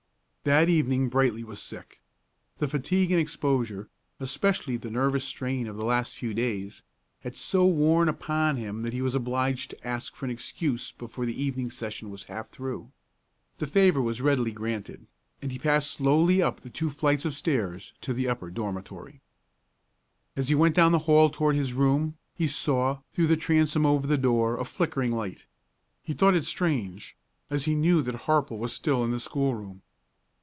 That evening Brightly was sick. The fatigue and exposure, especially the nervous strain of the last few days, had so worn upon him that he was obliged to ask for an excuse before the evening session was half through, that he might go to his room and to bed. The favor was readily granted, and he passed slowly up the two flights of stairs to the upper dormitory. As he went down the hall toward his room, he saw, through the transom over the door, a flickering light. He thought it strange, as he knew that Harple was still in the schoolroom.